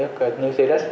ở một nơi khác